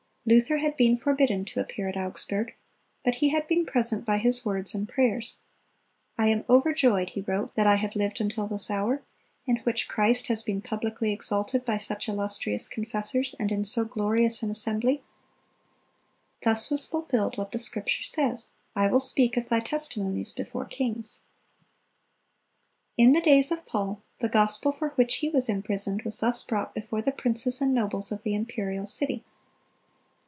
Luther had been forbidden to appear at Augsburg, but he had been present by his words and prayers. "I am overjoyed," he wrote, "that I have lived until this hour, in which Christ has been publicly exalted by such illustrious confessors, and in so glorious an assembly."(303) Thus was fulfilled what the Scripture says, "I will speak of Thy testimonies before kings."(304) In the days of Paul, the gospel for which he was imprisoned was thus brought before the princes and nobles of the imperial city.